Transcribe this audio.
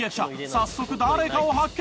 早速誰かを発見。